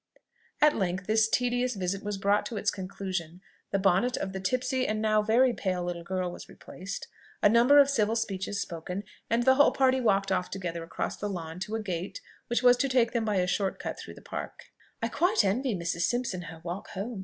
At length this tedious visit was brought to its conclusion; the bonnet of the tipsy and now very pale little girl was replaced, a number of civil speeches spoken, and the whole party walked off together across the lawn to a gate which was to take them by a short cut through the Park. "I quite envy Mrs. Simpson her walk home!"